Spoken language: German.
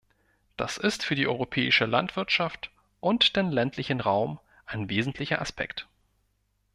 Das ist für die europäische Landwirtschaft und den ländlichen Raum ein wesentlicher Aspekt.